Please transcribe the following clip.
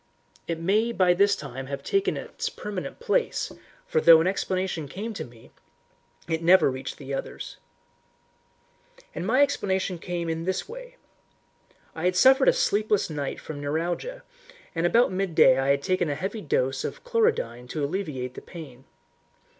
It may by this time have taken its permanent place, for though an explanation came to me, it never reached the others. And my explanation came in this way. I had suffered a sleepless night from neuralgia, and about midday I had taken a heavy dose of chlorodyne to alleviate the pain.